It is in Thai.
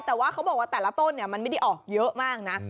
แต่ว่าเขาบอกว่าแต่ละต้นมันไม่ได้ออกเยอะมากนะ